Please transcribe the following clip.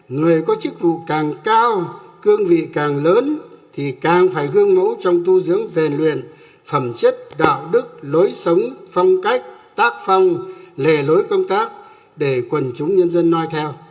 người có chức vụ càng cao cương vị càng lớn thì càng phải gương mẫu trong tu dưỡng rèn luyện phẩm chất đạo đức lối sống phong cách tác phong lề lối công tác để quần chúng nhân dân nói theo